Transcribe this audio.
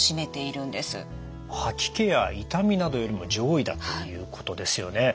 吐き気や痛みなどよりも上位だということですよね。